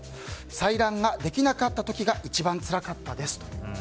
採卵ができなかった時が一番つらかったですと。